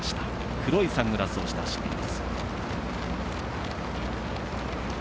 黒いサングラスをして走っています。